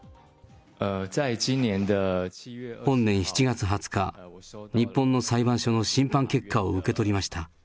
本年７月２０日、日本の裁判所の審判結果を受け取りました。